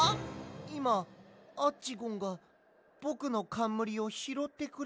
いまアッチゴンがぼくのかんむりをひろってくれたんだ。